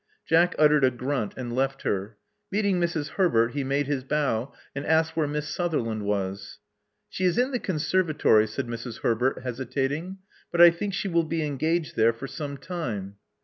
Jack uttered a grunt, and left her. Meeting Mrs. Herbert, he made his bow, and asked where Miss Sutherland was. She is in the conservatory," said Mrs. Herbert, hesitating. But I think she will be engaged there for some time."